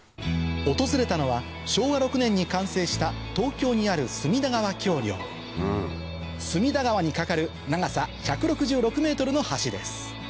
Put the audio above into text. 訪れたのは昭和６年に完成した隅田川に架かる長さ１６６ｍの橋です